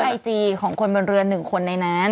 แล้วก็มีที่ไอจีของคนบนเรือนหนึ่งคนในนั้น